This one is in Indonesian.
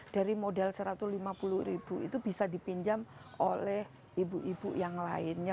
dari modal satu ratus lima puluh ribu itu bisa dipinjam oleh ibu ibu yang lainnya